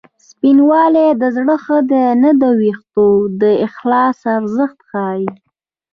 سپینوالی د زړه ښه دی نه د وېښتو د اخلاص ارزښت ښيي